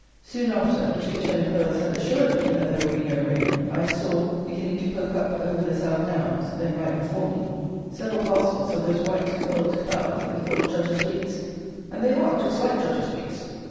Soon after the two turnip hoers had assured me that there would be no rain, I saw, beginning to poke up over the South Downs (then right before me) several parcels of those white, curled clouds that we call Judges' Wigs. And they are just like Judges' wigs.